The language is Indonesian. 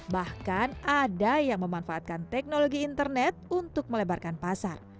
bahkan ada yang memanfaatkan teknologi internet untuk melebarkan pasar